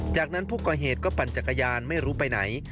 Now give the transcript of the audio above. จากนั้นผู้ก่อเหตุก็ปั่นจักรยานไม่รู้ไปไหน